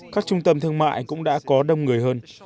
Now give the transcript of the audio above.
các trung tâm thương mại cũng đã có đông người hơn